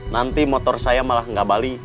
nanti motor saya malah gak balik